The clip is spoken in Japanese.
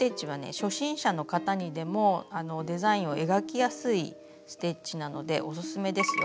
初心者の方にでもデザインを描きやすいステッチなのでオススメですよ。